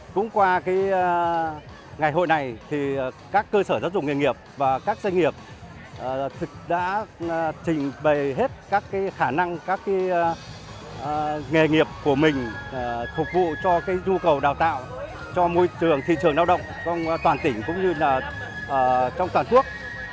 cũng qua ngày hội này các cơ sở giáo dục nghề nghiệp và các doanh nghiệp đã trình bày hết các khả năng các nghề nghiệp của mình phục vụ cho nhu cầu đào tạo cho môi trường thị trường lao động trong toàn tỉnh cũng như trong toàn quốc